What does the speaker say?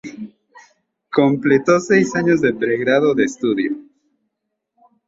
Completo seis años de pregrado de estudio.